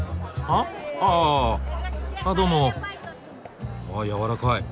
あやわらかい。